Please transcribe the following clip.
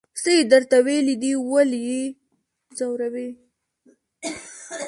څه یې درته ویلي دي ولې یې ځوروئ.